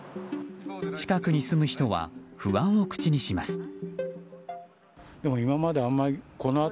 近くに住む人は不安を口にします。